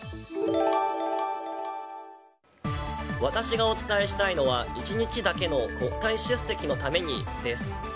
私がお伝えしたいのは１日だけの国会出席のためにです。